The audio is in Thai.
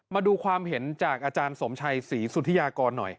มาดูความเห็นจากอาจารย์สมชัยศรีสุธิยากรหน่อย